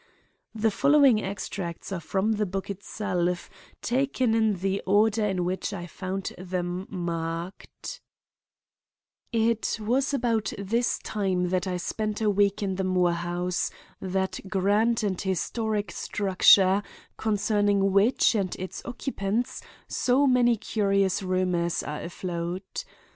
The following extracts are from the book itself, taken in the order in which I found them marked: "It was about this time that I spent a week in the Moore house; that grand and historic structure concerning which and its occupants so many curious rumors are afloat.